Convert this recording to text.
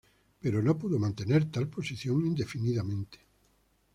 Pero no pudo mantener tal posición indefinidamente.